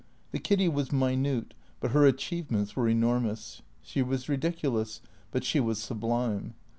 The Kiddy was minute, but her achievements were enormous; she was ridiculous, but she was sublime.